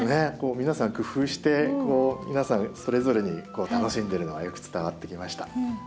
皆さん工夫して皆さんそれぞれに楽しんでるのがよく伝わってきました。